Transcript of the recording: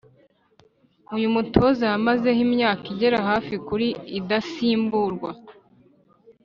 uyu mutoza yamazeho imyaka igera hafi kuri adasimburwa